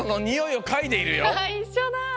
いっしょだ！